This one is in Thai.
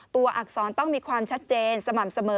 อักษรต้องมีความชัดเจนสม่ำเสมอ